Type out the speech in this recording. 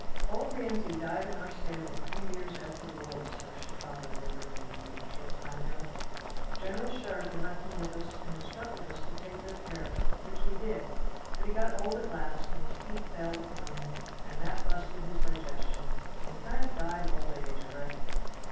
"Old Rienzi died in our stable a few years after the war," said a Chicago livery man to me, a short time ago. "General Sheridan left him with us and instructed us to take good care of him, which we did, but he got old at last, and his teeth failed upon him, and that busted his digestion, and he kind of died of old age, I reckon."